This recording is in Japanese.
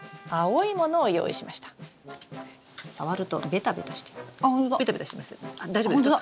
ベタベタしてますよ。